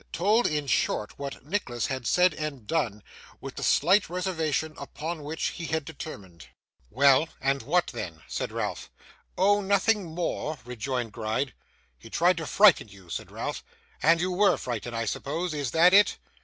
Told, in short, what Nicholas had said and done, with the slight reservation upon which he had determined. 'Well, and what then?' said Ralph. 'Oh! nothing more,' rejoined Gride. 'He tried to frighten you,' said Ralph, 'and you WERE frightened I suppose; is that it?